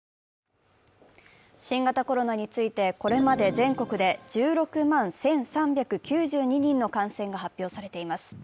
新型コロナについてこれまで全国で１６万１３９２人の感染が発表されています。